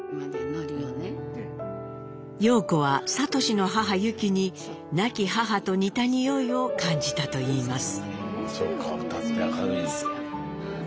様子は智の母・ユキに亡き母と似たにおいを感じたと言います。